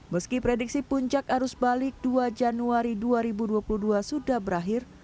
meski prediksi puncak arus balik dua januari dua ribu dua puluh dua sudah berakhir